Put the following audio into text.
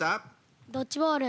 ドッジボール。